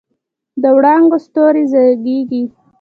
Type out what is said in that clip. د وړانګو ستوري زیږي